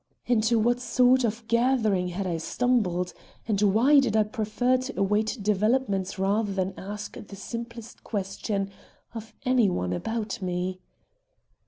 Into what sort of gathering had I stumbled? And why did I prefer to await developments rather than ask the simplest question of any one about me?